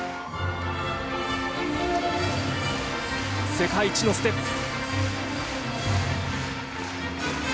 世界一のステップ。